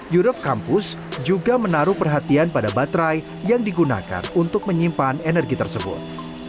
jureth campus juga menaruh perhatian pada baterai yang digunakan untuk menyimpan energi tersebut